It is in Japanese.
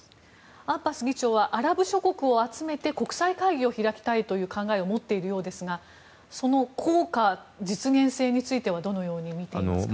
アッバス議長はアラブ諸国を集めて国際会議を開きたいという考えを持っているようですがその効果、実現性についてはどのようにみていますか。